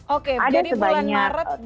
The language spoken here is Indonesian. oke jadi bulan maret